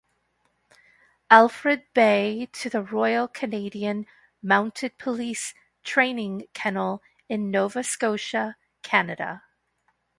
Alfred Beye to the Royal Canadian Mounted Police Training Kennel in Nova Scotia, Canada.